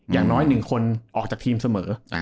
อย่างน้อย๑คนออกจากทีมเสมอ